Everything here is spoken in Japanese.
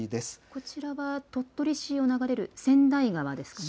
こちらは鳥取市を流れる千代川ですかね。